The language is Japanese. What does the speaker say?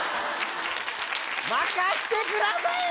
任せてください。